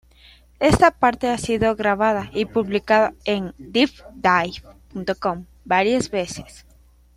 Esta parte ha sido grabada y publicada en DipDive.com varias veces.